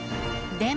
でも。